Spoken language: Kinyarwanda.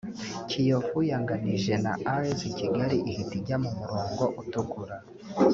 Kiyovu yanganije na As Kigali ihita ijya mu murongo utukura